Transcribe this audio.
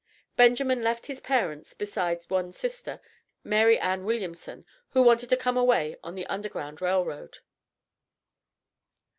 Benjamin left his parents besides one sister, Mary Ann Williamson, who wanted to come away on the Underground Rail Road.